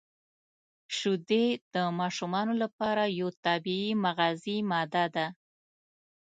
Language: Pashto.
• شیدې د ماشومانو لپاره یو طبیعي مغذي ماده ده.